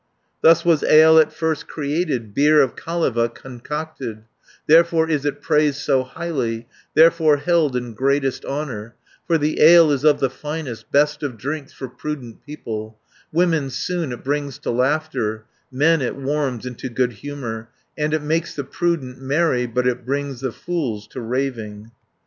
"Thus was ale at first created, Beer of Kaleva concocted, Therefore is it praised so highly, Therefore held in greatest honour, For the ale is of the finest, Best of drinks for prudent people; 420 Women soon it brings to laughter, Men it warms into good humour, And it makes the prudent merry, But it brings the fools to raving."